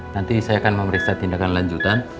nanti saya akan memeriksa tindakan lanjutan